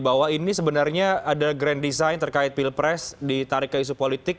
bahwa ini sebenarnya ada grand design terkait pilpres ditarik ke isu politik